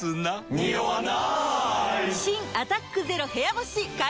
ニオわない！